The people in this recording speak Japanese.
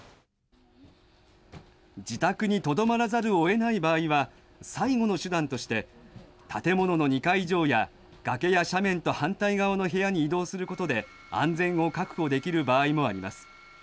自宅にとどまらざるをえない場合は、最後の手段として建物の２階以上や崖や斜面と反対側の部屋に移動することで安全を確保できる場合もあります。